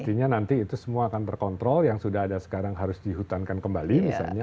artinya nanti itu semua akan terkontrol yang sudah ada sekarang harus dihutankan kembali misalnya